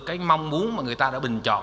cái mong muốn mà người ta đã bình chọn